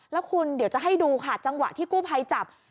แล้วคุณเดี๋ยวจะให้ดูค่ะจังหวะที่กู้ภัยจับ